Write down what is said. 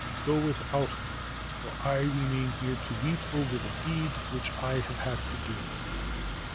Go without me, for I remain re to weep over the deed which I have had to do.'